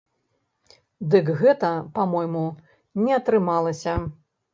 Дык гэта, па-мойму, не атрымалася.